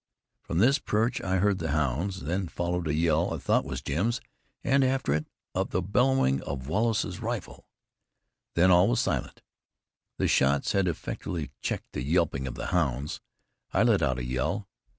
From this perch I heard the hounds; then followed a yell I thought was Jim's, and after it the bellowing of Wallace's rifle. Then all was silent. The shots had effectually checked the yelping of the hounds. I let out a yell.